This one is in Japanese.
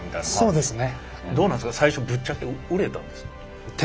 そうですね。